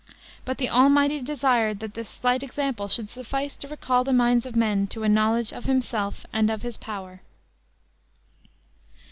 But the Almighty desired that this slight example should suffice to recall the minds of men to a knowledge of himself and of his power.